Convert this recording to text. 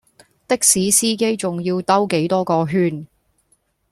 的士司機仲要兜幾多個圈